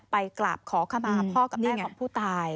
ไปกราบขอขมาพ่อกับแม่ของผู้ตาย